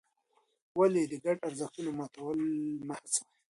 ولې د ګډو ارزښتونو ماتول مه هڅوې؟